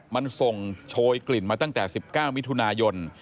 มันส่งโชยกลิ่นมาตั้งแต่๑๙มิถุนายน